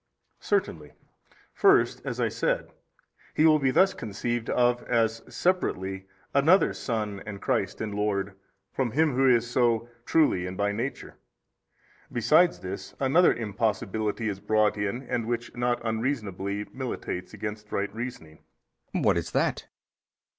A. Certainly. For first (as I said) He will be thus conceived of as separately another son and christ and lord from Him Who is so truly and by Nature: besides this, another impossibility is brought in and which not unreasonably militates against right reasoning. B. What is that?